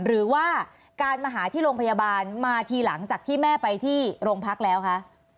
หรือว่าการมาหาที่โรงพยาบาลมาทีหลังจากที่แม่ไปที่โรงพักแล้วคะ